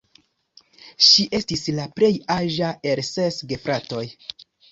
Ŝi estis la plej aĝa el ses gefratoj.